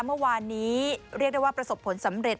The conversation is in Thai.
เมื่อวานนี้เรียกได้ว่าประสบผลสำเร็จ